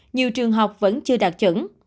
nhiều trường học vẫn chưa đạt chẩn